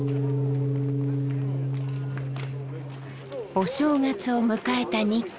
お正月を迎えた日光。